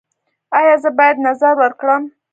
ایا زه باید نذر ورکړم؟